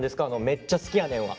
「めっちゃ好きやねん！」は。